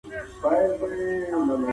حیات الله د کلي له سهار څخه خوند اخیست.